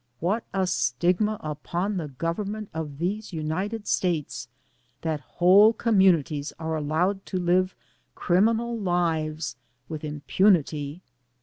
What a stigma upon the Government of these United States that whole communities are allowed to live criminal lives with im punity.